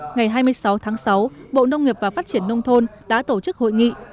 ngày hai mươi sáu tháng sáu bộ nông nghiệp và phát triển nông thôn đã tổ chức hội nghị